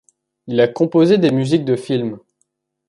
Il a composé des musiques de films.